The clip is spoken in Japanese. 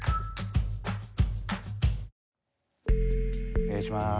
お願いします。